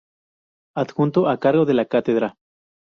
Adjunto a cargo de la cátedra.